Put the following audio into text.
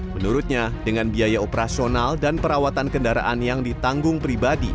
menurutnya dengan biaya operasional dan perawatan kendaraan yang ditanggung pribadi